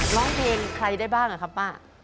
ร้องเพลงใครได้บ้างครับป้า